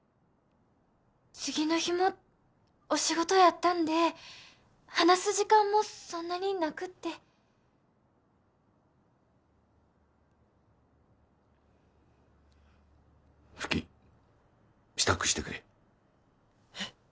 次の日もお仕事やったんで話す時間もそんなになくってふき支度してくれ・えッ？